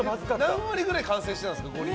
何割ぐらい完成してたんですか？